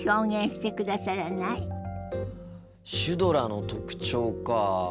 シュドラの特徴か。